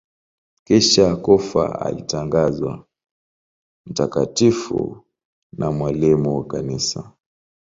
Kisha kufa alitangazwa mtakatifu na mwalimu wa Kanisa.